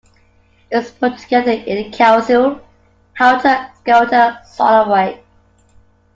It was put together in a casual, helter-skelter sort of way.